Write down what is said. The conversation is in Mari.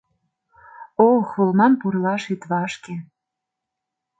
«Ох, олмам пурлаш ит вашке!»